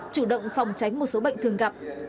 chủ động phòng tránh một số bệnh thường gặp